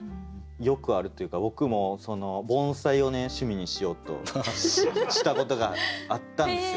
よくあるというか僕も盆栽を趣味にしようとしたことがあったんですよ。